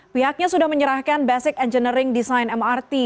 pihaknya sudah menyerahkan basic engineering design mrt